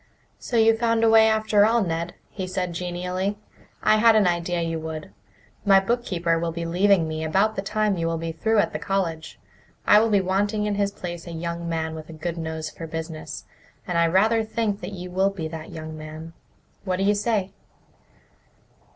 "So you found a way after all, Ned," he said genially. "I had an idea you would. My bookkeeper will be leaving me about the time you will be through at the college. I will be wanting in his place a young man with a good nose for business, and I rather think that you will be that young man. What do you say?"